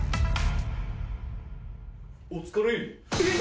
お疲れ！